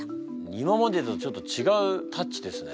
今までとちょっと違うタッチですね。